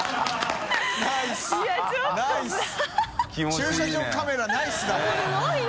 駐車場カメラナイスだね。